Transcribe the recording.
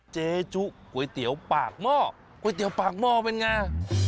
เจจุก๋วยเตี๋ยวปากหม้อก๋วยเตี๋ยวปากหม้อเป็นไง